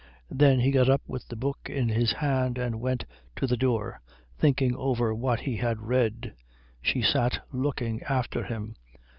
Then he got up with the book in his hand and went to the door, thinking over what he had read. She sat looking after him.